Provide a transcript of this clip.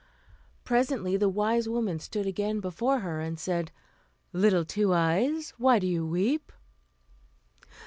Presently the wise woman stood again before her, and said, "Little Two Eyes, why do you weep?"